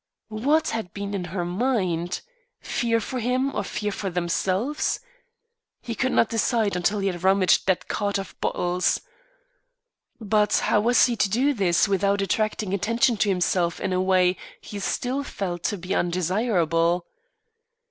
What had been in her mind? Fear for him or fear for themselves? He could not decide until he had rummaged that cart of bottles. But how was he to do this without attracting attention to himself in a way he still felt, to be undesirable.